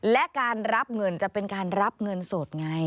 และการรับเงินจะเป็นการรับเงินสดไง